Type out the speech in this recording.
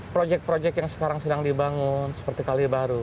proyek proyek yang sekarang sedang dibangun seperti kali baru